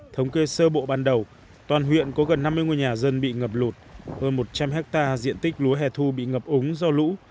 thống kê sơ bộ ban đầu toàn huyện có gần năm mươi ngôi nhà dân bị ngập lụt hơn một trăm linh hectare diện tích lúa hè thu bị ngập ống do lũ